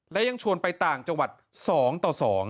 และยังชวนไปต่างจังหวัด๒ต่อ๒